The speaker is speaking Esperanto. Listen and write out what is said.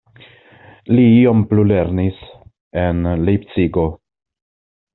Li iom plulernis en Lejpcigo.